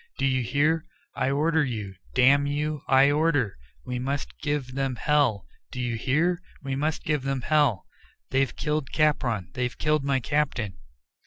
"Do you hear? I order you; damn you, I order We must give them hell; do you hear? we must give them hell. They've killed Capron. They've killed my captain."